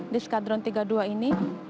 di skadron tiga puluh dua ini